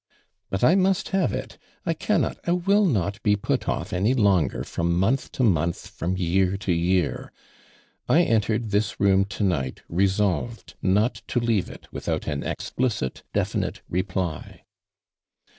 "But I must have it. I cannot, I will not be put off any longer from month to •month — from year to year. 1 entered this room to night, resolved not to leave it without an exi)licit, definite reply."